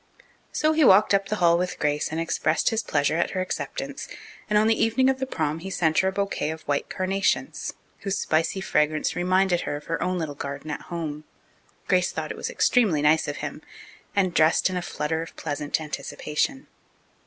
So he walked up the hall with Grace and expressed his pleasure at her acceptance, and on the evening of the prom he sent her a bouquet of white carnations, whose spicy fragrance reminded her of her own little garden at home. Grace thought it extremely nice of him, and dressed in a flutter of pleasant anticipation.